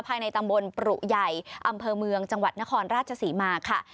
ภายในตำบลปรุใหญ่อำเภอเมืองจังหวัดนครราชศรีมาค่ะ